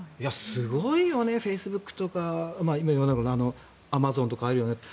すごいよね、フェイスブックとかアマゾンとかあるよねと。